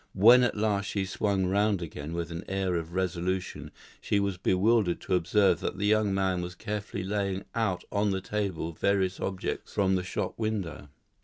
When at last she swung round again with an air of resolution she was bewildered to observe that the young man was carefully laying out on the table various objects from the shop window.